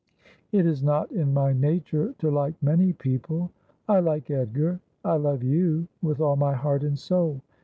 ' It is not in my nature to like many people. I like Edgar. I love you, with all my heart and soul.